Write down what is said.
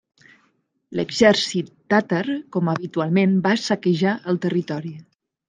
L'exèrcit tàtar, com habitualment, va saquejar el territori.